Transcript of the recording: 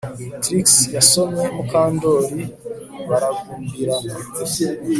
Trix yasomye Mukandoli baragumbirana